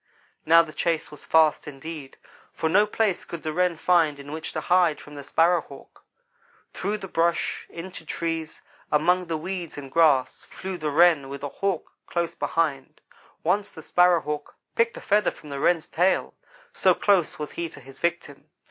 Now the chase was fast indeed, for no place could the Wren find in which to hide from the Sparrow hawk. Through the brush, into trees, among the weeds and grass, flew the Wren with the Hawk close behind. Once the Sparrow hawk picked a feather from the Wren's tail so close was he to his victim.